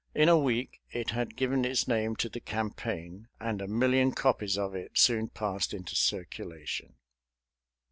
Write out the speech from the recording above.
In a week it had given its name to the campaign, and a million copies of it soon passed into circulation.